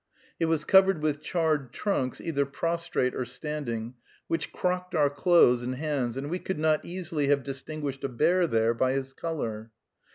It was covered with charred trunks, either prostrate or standing, which crocked our clothes and hands, and we could not easily have distinguished a bear there by his color.